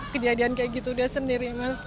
kejadian kayak gitu dia sendiri mas